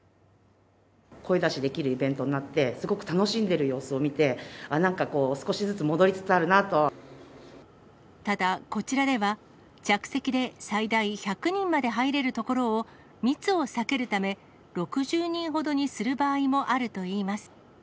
声出しできるイベントになって、すごく楽しんでいる様子を見て、なんかこう、ただ、こちらでは、着席で最大１００人までは入れるところを、密を避けるため、６０人ほどにする場合もあるといいます。